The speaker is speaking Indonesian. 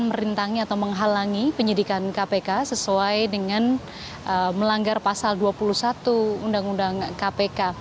merintangi atau menghalangi penyidikan kpk sesuai dengan melanggar pasal dua puluh satu undang undang kpk